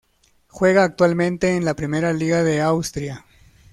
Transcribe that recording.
Juega actualmente en la Primera Liga de Austria.